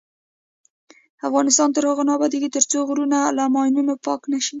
افغانستان تر هغو نه ابادیږي، ترڅو غرونه له ماینونو پاک نشي.